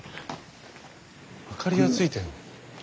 明かりがついてる。